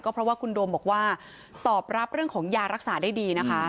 เพราะว่าคุณโดมบอกว่าตอบรับเรื่องของยารักษาได้ดีนะคะ